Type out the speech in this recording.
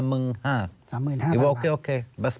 มีใครต้องจ่ายค่าคุมครองกันทุกเดือนไหม